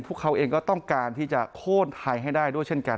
พวกเขาเองก็ต้องการที่จะโค้นไทยให้ได้ด้วยเช่นกัน